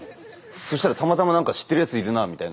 そしたらたまたまなんか知ってるやついるなあみたいな。